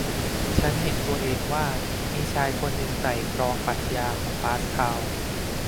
ฉันเห็นตัวเองว่ามีชายคนหนึ่งไตร่ตรองปรัชญาของปาสคาล